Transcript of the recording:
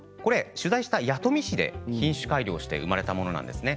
取材した弥富市で品種改良して生まれたものなんですね。